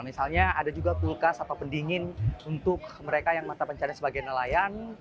misalnya ada juga kulkas atau pendingin untuk mereka yang mata pencarian sebagai nelayan